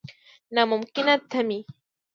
نا ممکنه تمې.